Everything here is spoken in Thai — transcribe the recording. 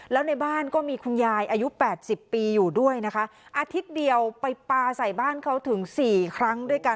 แล้วในบ้านก็มีคุณยายอายุ๘๐ปีอยู่ด้วยนะคะอาทิตย์เดียวไปปลาใส่บ้านเขาถึงสี่ครั้งด้วยกัน